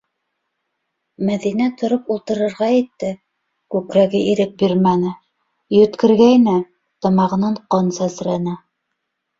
Мәҙинә тороп ултырырға итте - күкрәге ирек бирмәне, йүткергәйне - тамағынан ҡан сәсрәне.